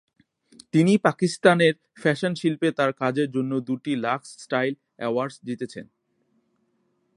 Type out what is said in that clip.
তিনি পাকিস্তানের ফ্যাশন শিল্পে তার কাজের জন্য দুটি লাক্স স্টাইল অ্যাওয়ার্ডস জিতেছেন।